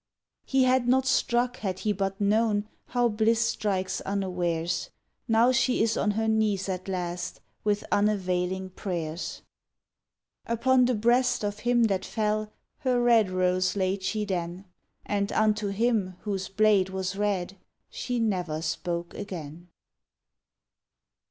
He had not struck had he but known How bliss strikes unawares; Now she is on her knees at last, With unavailing pray rs. BALLAD OF THE FATAL WORD Upon the breast of him that fell Her red rose. laid she then; And unto him whose blade was red She never spoke again.